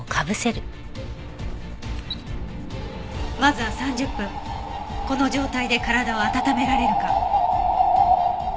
まずは３０分この状態で体を温められるか。